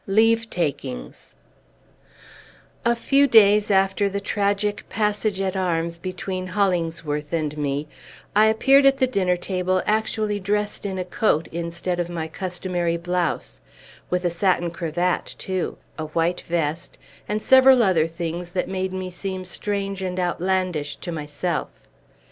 LEAVE TAKINGS A few days after the tragic passage at arms between Hollingsworth and me, I appeared at the dinner table actually dressed in a coat, instead of my customary blouse; with a satin cravat, too, a white vest, and several other things that made me seem strange and outlandish to myself.